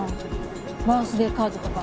バースデーカードとか。